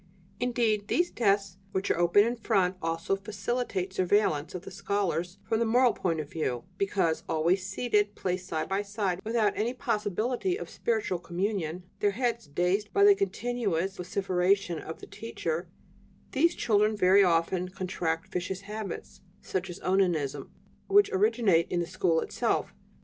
"Indeed, these desks which are open in front also facilitate surveillance of the scholars from the moral point of view; because, always seated, placed side by side without any possibility of spiritual communion, their heads dazed by the continuous vociferation of the teacher, these children very often contract vicious habits, such as onanism, which originate in the school itself.